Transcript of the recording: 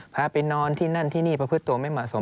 พาไปนอนที่นั่นที่นี่ประพฤติตัวไม่เหมาะสม